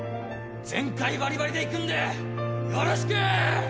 全開バリバリでいくんでよろしくー！